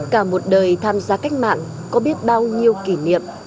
cả một đời tham gia cách mạng có biết bao nhiêu kỷ niệm